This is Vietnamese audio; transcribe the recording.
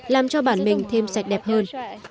làm cho bản mình thêm sạch đẹp hơn